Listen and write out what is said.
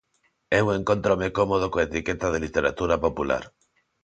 Eu encóntrome cómodo coa etiqueta de literatura popular.